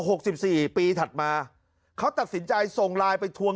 สิบสี่ปีถัดมาเขาตัดสินใจส่งไลน์ไปทวง